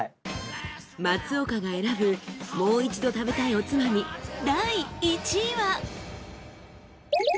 松岡が選ぶもう一度食べたいおつまみ第１位は。